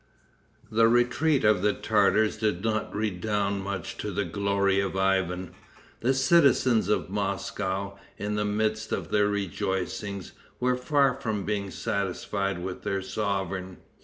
The retreat of the Tartars did not redound much to the glory of Ivan. The citizens of Moscow, in the midst of their rejoicings, were far from being satisfied with their sovereign.